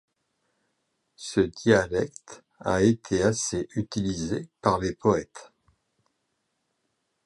Ce dialecte a été assez utilisé par les poètes.